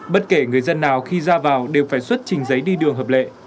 bất kể người dân nào khi ra vào đều phải xuất trình giấy đi đường hợp lệ